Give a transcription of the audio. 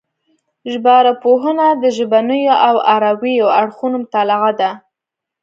ژبارواپوهنه د ژبنيو او اروايي اړخونو مطالعه ده